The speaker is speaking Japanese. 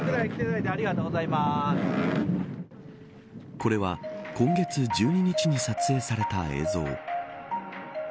これは今月１２日に撮影された映像。